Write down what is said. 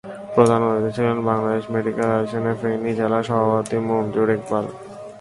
প্রধান অতিথি ছিলেন বাংলাদেশ মেডিকেল অ্যাসোসিয়েশনের ফেনী জেলা সভাপতি মনজুর ইকবাল।